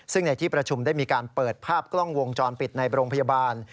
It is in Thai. ซึ่งในที่ประชุมได้มีการเปิดภาพกล้องวงจรปิดในโรงพยาบาล